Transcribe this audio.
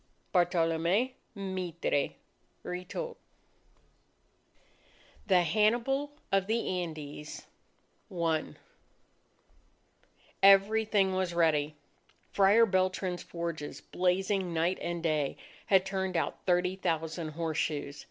Bartolome Mitre (Retold) THE HANNIBAL OF THE ANDES I Everything was ready. Friar Beltran's forges, blazing night and day, had turned out thirty thousand horseshoes.